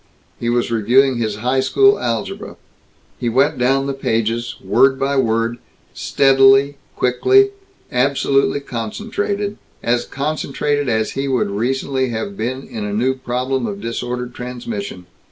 He was reviewing his high school algebra. He went down the pages, word by word, steadily, quickly, absolutely concentrated as concentrated as he would recently have been in a new problem of disordered transmission.